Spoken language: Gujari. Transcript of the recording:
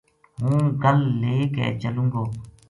ہوں گل لے کے چلوں گو ‘‘